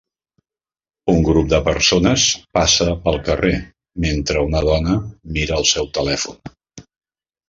Un grup de persones passa pel carrer mentre una dona mira el seu telèfon.